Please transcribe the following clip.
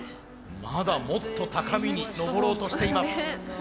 まだもっと高みに登ろうとしています。